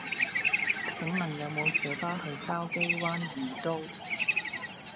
請問有無小巴去筲箕灣譽都